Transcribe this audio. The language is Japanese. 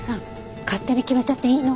勝手に決めちゃっていいの？